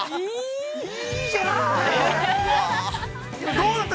◆どうだった？